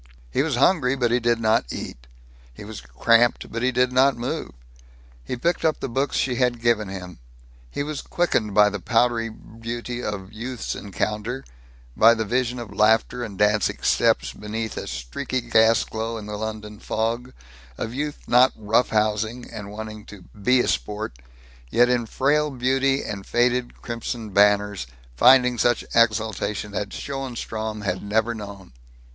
He was hungry, but he did not eat. He was cramped, but he did not move. He picked up the books she had given him. He was quickened by the powdery beauty of Youth's Encounter; by the vision of laughter and dancing steps beneath a streaky gas glow in the London fog; of youth not "roughhousing" and wanting to "be a sport," yet in frail beauty and faded crimson banners finding such exaltation as Schoenstrom had never known.